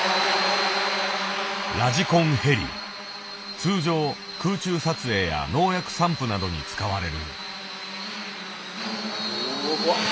通常空中撮影や農薬散布などに使われる。